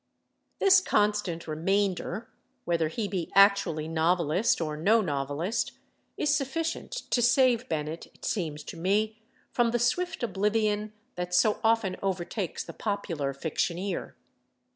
This constant remainder, whether he be actually novelist or no novelist, is sufficient to save Bennett, it seems to me, from the swift oblivion that so often overtakes the popular fictioneer.